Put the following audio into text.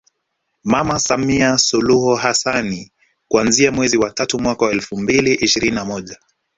Mama Samia Suluhu Hassani kuanzia mwezi wa tatu mwaka Elfu mbili ishirini na moja